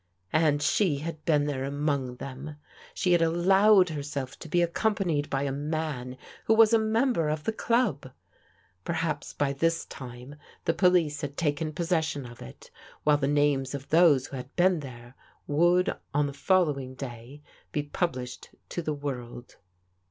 And she had been there among them. She had allowed herself to be accompanied by a man who was a member of the club. Perhaps by this time the police had taken possession of it, while the names of those who had been there would on the following day be published to the world.